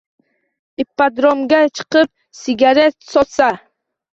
“Ippadrom”ga chiqib sigaret sotsa